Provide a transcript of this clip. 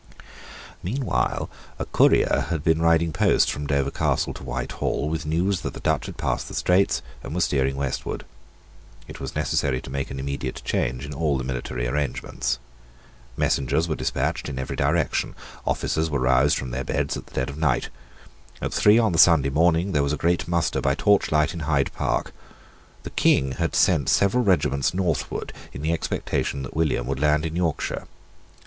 Meanwhile a courier bad been riding post from Dover Castle to Whitehall with news that the Dutch had passed the Straits and were steering westward. It was necessary to make an immediate change in all the military arrangements. Messengers were despatched in every direction. Officers were roused from their beds at dead of night. At three on the Sunday morning there was a great muster by torchlight in Hyde Park. The King had sent several regiments northward in the expectation that William would land in Yorkshire.